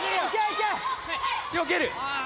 よける！